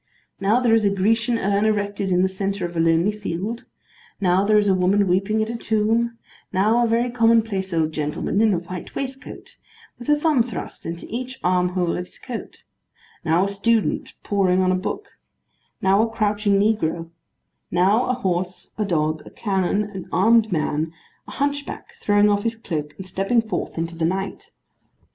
Now, there is a Grecian urn erected in the centre of a lonely field; now there is a woman weeping at a tomb; now a very commonplace old gentleman in a white waistcoat, with a thumb thrust into each arm hole of his coat; now a student poring on a book; now a crouching negro; now, a horse, a dog, a cannon, an armed man; a hunch back throwing off his cloak and stepping forth into the light.